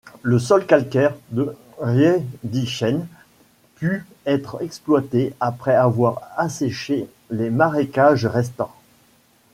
Le sol calcaire de Riedisheim put être exploité après avoir asséché les marécages restants.